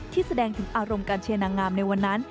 แสดงถึงอารมณ์การเชียร์นางงามในวันนั้น